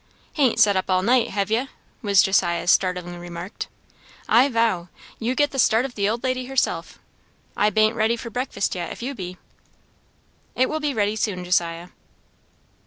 "Hain't set up all night, hev' ye?" was Josiah's startling remark. "I vow! you get the start of the old lady herself. I b'ain't ready for breakfast yet, if you be." "It will be ready soon, Josiah."